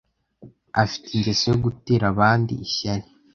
Afite ingeso yo gutera abandi ishyari.